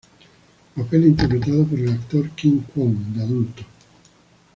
Papel interpretado por el actor Kim Kwon de adulto.